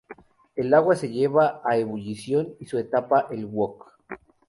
El agua se lleva a ebullición y se tapa el wok.